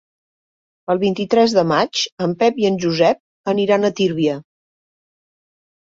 El vint-i-tres de maig en Pep i en Josep aniran a Tírvia.